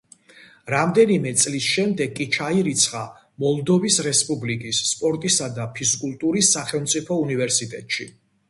რამდენიმე წლის შემდეგ კი ჩაირიცხა მოლდოვის რესპუბლიკის სპორტისა და ფიზკულტურის სახელმწიფო უნივერსიტეტში.